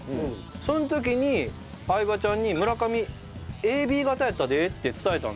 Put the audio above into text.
その時に相葉ちゃんに「村上ＡＢ型やったで」って伝えたんですよ。